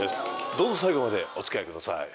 どうぞ最後までお付き合いください。